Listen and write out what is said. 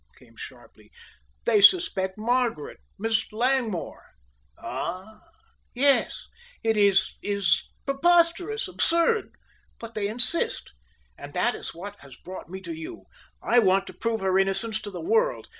came sharply. "They suspect Margaret Miss Langmore." "Ah!" "Yes. It is is preposterous absurd, but they insist. And that is what has brought me to you. I want to prove her innocence to the world.